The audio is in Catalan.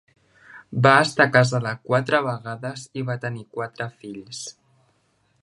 Va estar casada quatre vegades i va tenir quatre fills.